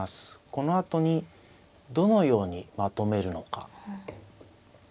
このあとにどのようにまとめるのか。